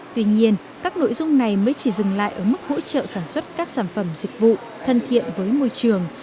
tuy nhiên các nội dung này mới chỉ dừng lại ở mức hỗ trợ sản xuất các sản phẩm dịch vụ thân thiện với môi trường